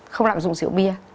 không lạm dụng siểu bia